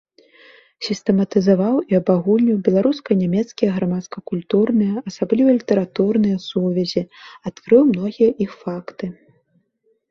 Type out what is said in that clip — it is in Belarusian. Сістэматызаваў і абагульніў беларуска-нямецкія грамадска-культурныя, асабліва літаратурныя сувязі, адкрыў многія іх факты.